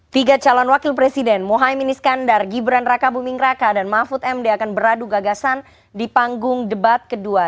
tiga calon wakil presiden mohaim minis kandar gibran raka buming raka dan mahfud md akan beradu gagasan di panggung debat kedua